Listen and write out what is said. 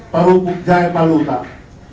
baru pukjai baru tak